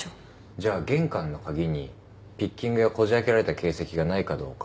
じゃあ玄関の鍵にピッキングやこじ開けられた形跡がないかどうか。